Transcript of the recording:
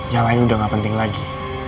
yang lain sudah tidak penting lagi